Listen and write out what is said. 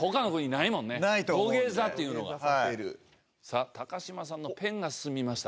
さあ高島さんのペンが進みました。